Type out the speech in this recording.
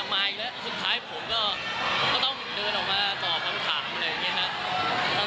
มาอีกแล้วสุดท้ายผมก็ต้องเดินออกมาตอบคำถามอะไรอย่างนี้ครับ